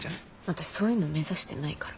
私そういうの目指してないから。